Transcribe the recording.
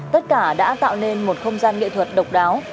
tất cả đã tạo nên một không gian nghệ thuật độc đáo